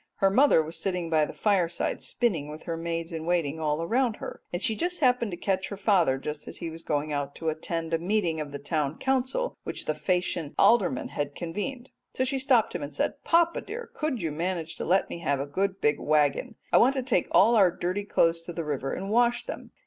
Her mother was sitting by the fireside spinning with her maids in waiting all around her, and she happened to catch her father just as he was going out to attend a meeting of the Town Council which the Phaeacian aldermen had convened. So she stopped him and said, 'Papa, dear, could you manage to let me have a good big waggon? I want to take all our dirty clothes to the river and wash them.